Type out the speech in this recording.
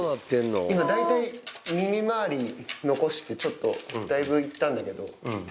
今大体耳周り残してちょっとだいぶ行ったんだけど。